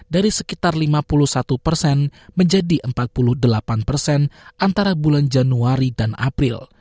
dari sekitar lima puluh satu persen menjadi empat puluh delapan persen antara bulan januari dan april